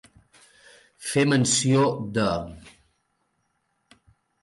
Fer menció de.